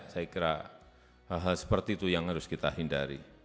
saya kira hal hal seperti itu yang harus kita hindari